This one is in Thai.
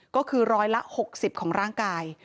ก็คือร้อยละ๖๐ของร่างกาย